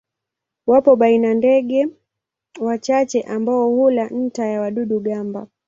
Wapo baina ndege wachache ambao hula nta ya wadudu-gamba.